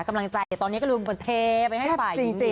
กำลังใจตอนนี้ก็ลืมคนเทไปให้ฝ่ายหญิง